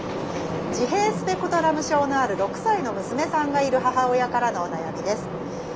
自閉スペクトラム症のある６歳の娘さんがいる母親からのお悩みです。